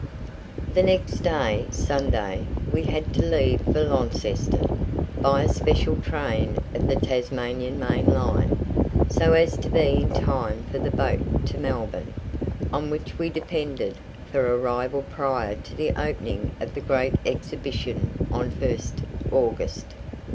The next day, Sunday, we had to leave for Launceston, by a special train of the Tasmanian Main Line, so as to be in time for the boat to Melbourne, on which we depended for arrival prior to the opening of the great Exhibition on 1st August.